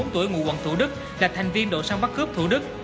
bốn tuổi ngụ quận thủ đức là thành viên đội sang bắt cướp thủ đức